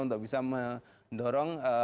untuk bisa mendorong